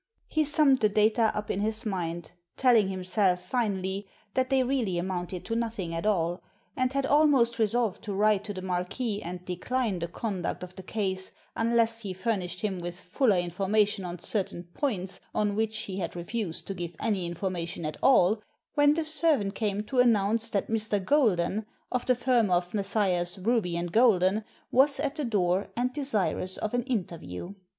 He summed the data up in his mind, telling himself, finally, that they really amounted to nothing at all, and had almost resolved to write to the Marquis and decline the conduct of the case unless he furnished him with fuller information on certain points on which he had refused to give any information at all, when the servant came to announce that Mr. Golden, of the firm of Messrs. Ruby and Golden, was at the door and desirous of an interview.